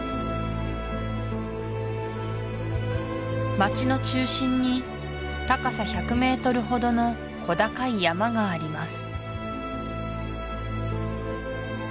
町の中心に高さ１００ｍほどの小高い山があります